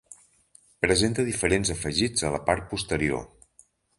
Presenta diferents afegits a la part posterior.